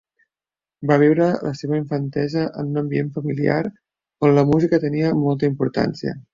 Va viure la seva infantesa en un ambient familiar on la música tenia molta importància.